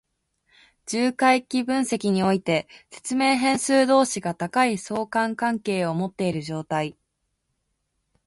重回帰分析において、説明変数同士が高い相関関係を持っている状態。